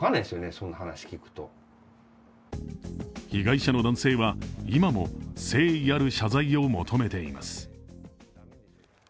被害者の男性は、今も誠意ある謝罪を求めています。